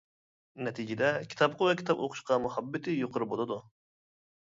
نەتىجىدە، كىتابقا ۋە كىتاب ئوقۇشقا مۇھەببىتى يۇقىرى بولىدۇ.